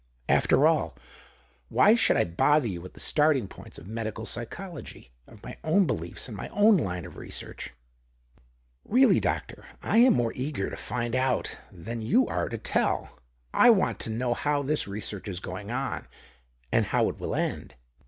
After all, why should I bother you with the starting points of medical psychology — of my own beliefs, and my own line of research ?" "Keally, doctor, I am more eager to find out than you are to tell. I want to know how this research is going on, and how it will end."